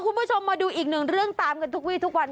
คุณผู้ชมมาดูอีกหนึ่งเรื่องตามกันทุกวีทุกวัน